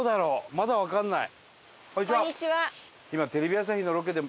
まだわかんない。